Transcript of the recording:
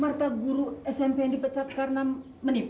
marta guru smp yang dipecat karena menip